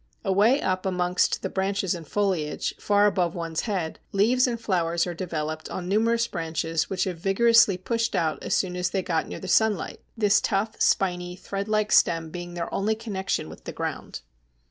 Away up amongst the branches and foliage far above one's head, leaves and flowers are developed on numerous branches which have vigorously pushed out as soon as they got near the sunlight, this tough, spiny, thread like stem being their only connexion with the ground.